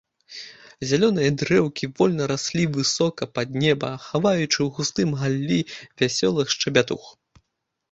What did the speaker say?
Зялёныя дрэўкі вольна раслі высока пад неба, хаваючы ў густым галлі вясёлых шчабятух.